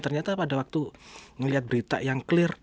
ternyata pada waktu ngelihat berita yang clear